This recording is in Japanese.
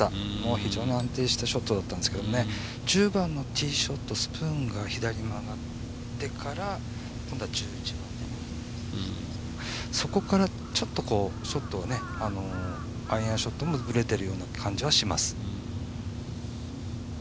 非常に安定したショットだったんですけど、１０番のティーショットスプーンが左に曲がってそこからショットがね、アイアンショットもぶれているような感じはします。